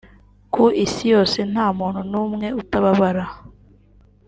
Ku isi yose nta muntu n’umwe utababara